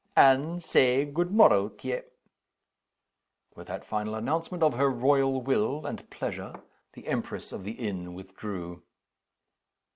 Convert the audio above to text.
_ And, sae, good morrow t' ye." With that final announcement of her royal will and pleasure, the Empress of the Inn withdrew.